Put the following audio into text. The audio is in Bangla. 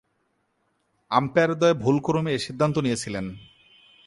আম্পায়ারদ্বয় ভুলক্রমে এ সিদ্ধান্ত নিয়েছিলেন।